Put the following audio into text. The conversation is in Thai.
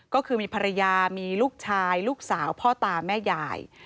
ก็คือมีภรรยามีลูกชายลูกสาวพ่อตาแม่ยาย